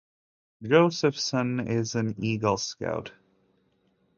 Josephson is an Eagle Scout.